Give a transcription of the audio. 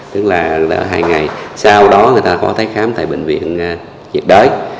tức là người ta ở hai ngày sau đó người ta có thể khám tại bệnh viện nhiệt đới